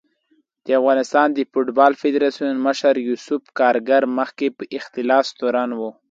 د افغانستان د فوټبال فدارسیون مشر یوسف کارګر مخکې په اختلاس تورن و